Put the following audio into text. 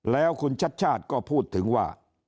แล้วคุณชัดชาติก็พูดถึงว่า